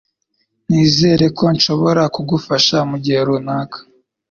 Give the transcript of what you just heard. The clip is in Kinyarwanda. Nizere ko nzashobora kugufasha mugihe runaka.